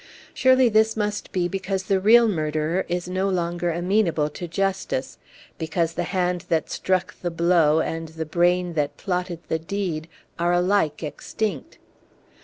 Surely this must be because the real murderer is no longer amenable to justice because the hand that struck the blow, and the brain that plotted the deed, are alike extinct.